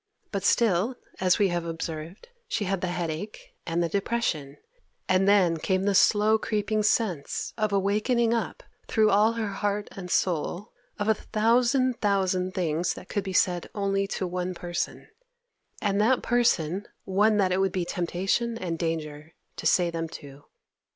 But still, as we have observed, she had the headache and the depression, and then came the slow, creeping sense of a wakening up through all her heart and soul, of a thousand thousand things that could be said only to one person, and that person one that it would be temptation and danger to say them to.